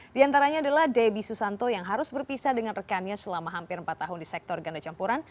di antaranya adalah debbie susanto yang harus berpisah dengan rekannya selama hampir empat tahun di sektor ganda campuran